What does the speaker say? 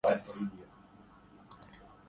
لیکن اس سے قبل بہت کم